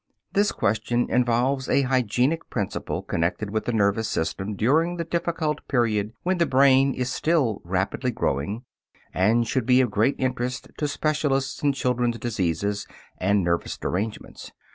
This question involves a hygienic principle connected with the nervous system during the difficult period when the brain is still rapidly growing, and should be of great interest to specialists in children's diseases and nervous derangements.